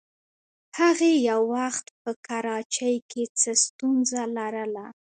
هغې یو وخت په کراچۍ کې څه ستونزه لرله.